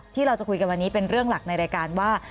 ที่เราจะคุยกันวันนี้เป็นเรื่องหลักในรายการว่า